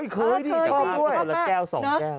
เขาชอบด้วย